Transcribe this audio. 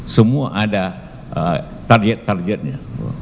semua ada target targetnya